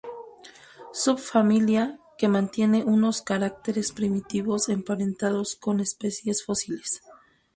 Subfamilia que mantiene unos caracteres primitivos emparentados con especies fósiles.